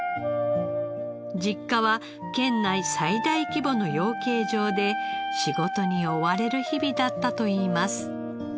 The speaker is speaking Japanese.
実家は県内最大規模の養鶏場で仕事に追われる日々だったといいます。